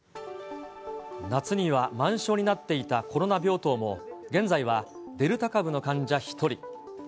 夏には満床になっていたコロナ病棟も、現在はデルタ株の患者１人。